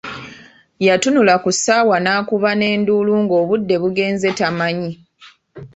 Yatunula ku ssaawa n'akuba n'enduulu ng'obudde bugenze tamanyi.